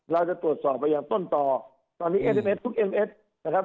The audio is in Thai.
เราจะตรวจสอบไปอย่างต้นต่อตอนนี้เอสเอสทุกเอ็มเอสนะครับ